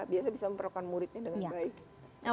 biasa bisa memperolehkan muridnya dengan baik